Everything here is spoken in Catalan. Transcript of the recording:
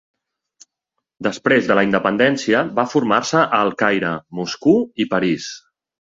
Després de la independència va formar-se a El Caire, Moscou i París.